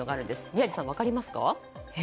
宮司さん、分かりますか？